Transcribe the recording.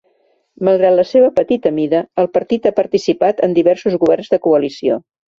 Malgrat la seva petita mida, el partit ha participat en diversos governs de coalició.